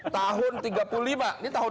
tahun tiga puluh lima ini tahun dua ribu